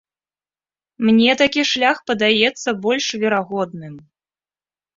Мне такі шлях падаецца больш верагодным.